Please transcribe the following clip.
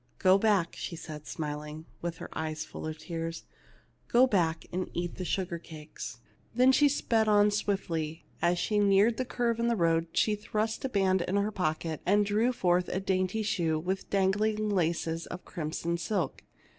" Go back," she said, smiling, with her eyes full of tears ; "go back, and eat the sugar cakes." Then she sped on swiftly ; as she neared the curve in the road she thrust a hand in her pock et, and drew forth a dainty shoe with dangling lacings of crimson silk.